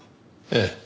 ええ。